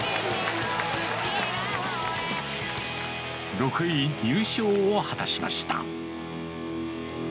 ６位入賞を果たしました。